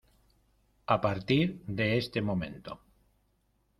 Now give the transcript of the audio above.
a partir de este momento